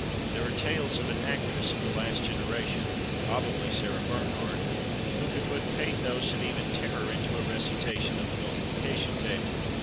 There are tales of an actress of the last generation, probably Sarah Bernhardt, who could put pathos and even terror into a recitation of the multiplication table.